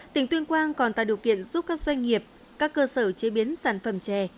tỉnh tuyên quang còn tạo điều kiện giúp các doanh nghiệp các cơ sở chế biến sản phẩm chè